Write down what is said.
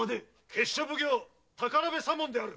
・闕所奉行・財部左門である！